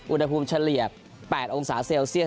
อุณหภูมิเฉลี่ย๘องศาเซลเซียส